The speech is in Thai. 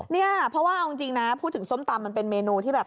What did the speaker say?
เนี่ยเพราะว่าเอาจริงนะพูดถึงส้มตำมันเป็นเมนูที่แบบ